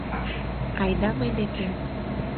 — Айда мый декем.